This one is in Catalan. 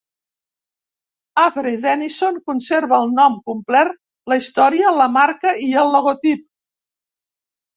Avery Dennison conserva el nom complet, la història, la marca i el logotip.